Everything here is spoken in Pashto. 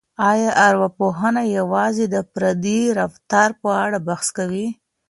آیا ارواپوهنه یوازې د فردي رفتار په اړه بحث کوي؟